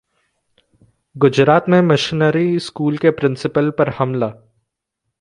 गुजरात में missionary school के principal पर हमला